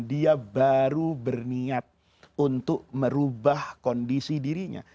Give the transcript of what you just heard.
dia baru berniat untuk merubah kondisi dirinya